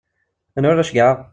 Anwa ara ceggɛeɣ?